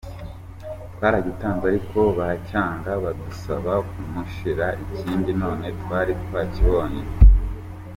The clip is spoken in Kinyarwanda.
Twaragitanze ariko baracyanga badusaba kumushakira ikindi none twari twakibonye.